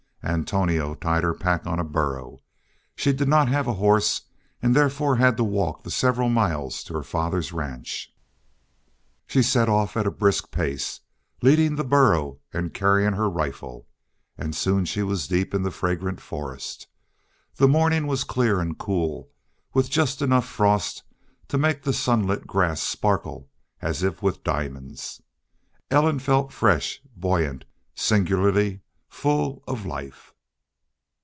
Antonio tied her pack on a burro. She did not have a horse, and therefore had to walk the several miles, to her father's ranch. She set off at a brisk pace, leading the burro and carrying her rifle. And soon she was deep in the fragrant forest. The morning was clear and cool, with just enough frost to make the sunlit grass sparkle as if with diamonds. Ellen felt fresh, buoyant, singularly full of, life.